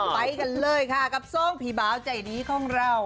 ไปกันเลยค่ะกับสองผีเบาใจดีของเรา